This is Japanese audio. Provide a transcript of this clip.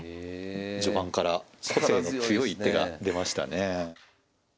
序盤から個性の強い一手が出ましたね。